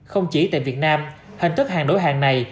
không chỉ tại việt nam hình thức hàng đổi hàng này